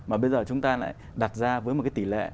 mà bây giờ chúng ta lại đặt ra với một cái tỷ lệ